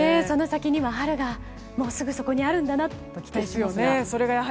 その先には春がもうすぐそこにあるんだなと期待しますが。